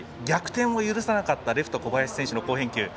逆転を許さなかったレフト小林選手の好返球